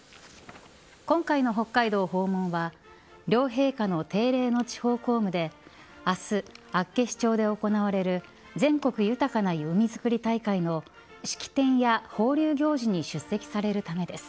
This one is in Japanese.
今回の北海道訪問は両陛下の定例の地方公務で明日、厚岸町で行われる全国豊かな海づくり大会の式典や放流行事に出席されるためです。